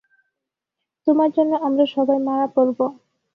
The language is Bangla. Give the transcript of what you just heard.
তোমার জন্য আমরা সবাই মারা পড়ব!